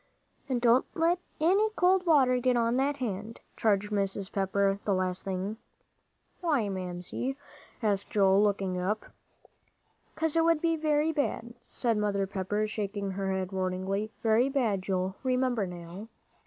"And don't let any cold water get on that hand," charged Mrs. Pepper the last thing. "Why, Mamsie?" asked Joel, looking up. "'Cause it would be very bad," said Mother Pepper, shaking her head warningly, "very bad, Joel. Remember, now."